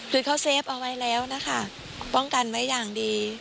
คือเขาเซฟเอาไว้แล้วนะคะป้องกันไว้อย่างดี